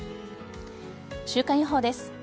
週間予報です。